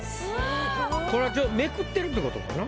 これはめくってるってことかな？